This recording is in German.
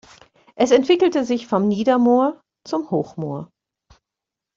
Es entwickelte sich vom Niedermoor zum Hochmoor.